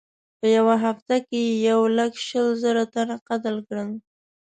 په یوه هفته کې یې یو لک شل زره تنه قتل کړل.